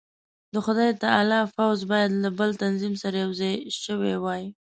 د خدای تعالی پوځ باید له بل تنظیم سره یو ځای شوی وای.